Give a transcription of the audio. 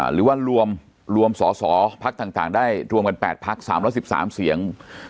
หรือว่ารวมสอสอพักต่างได้รวมกัน๘พัก๓๑๓เสียง